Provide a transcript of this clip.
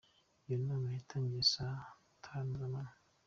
Iyo nama yatangiye saa tanu z’amanywa.